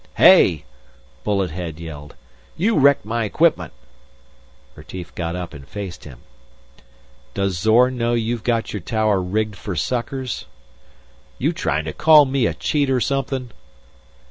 "Hey!" Bullet head yelled. "You wrecked my equipment!" Retief got up and faced him. "Does Zorn know you've got your tower rigged for suckers?" "You tryin' to call me a cheat or something?"